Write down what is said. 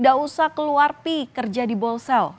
tidak usah keluar pi kerja di bolsel